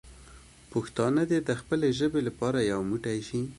پښتانه دې د خپلې ژبې لپاره یو موټی شي.